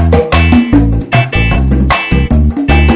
masanya selalu nangis